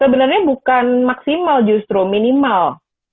sebenarnya bukan maksimal justru minimal